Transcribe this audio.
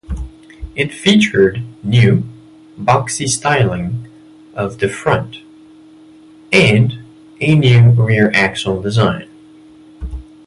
It featured new, boxy styling of the front, and a new rear-axle design.